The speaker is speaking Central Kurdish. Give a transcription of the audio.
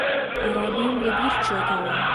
عەرەبیم لەبیر چۆتەوە.